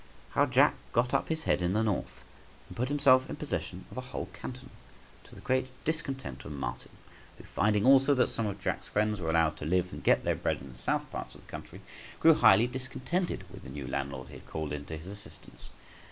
How Jack got up his head in the North, and put himself in possession of a whole canton, to the great discontent of Martin, who finding also that some of Jack's friends were allowed to live and get their bread in the south parts of the country, grew highly discontented with the new landlord he had called in to his assistance.